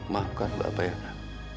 maafkan bapak ya nak